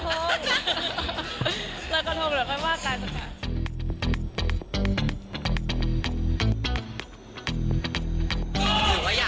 หรือว่าอยากให้เทศกาลเป็นคนสำหรับผมพูดก่อนป่ะ